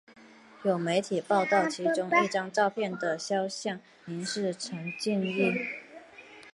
有媒体报道其中一张照片的肖像疑似陈静仪。